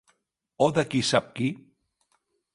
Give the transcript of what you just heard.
O de qui sap qui